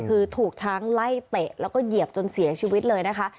คือถูกช้างไล่เตะแล้วก็เหยียบจนเสียชีวิตเลยนะคะ